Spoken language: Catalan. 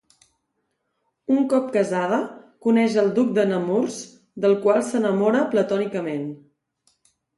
Un cop casada, coneix el duc de Nemours, del qual s'enamora platònicament.